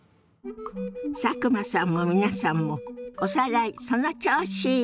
佐久間さんも皆さんもおさらいその調子！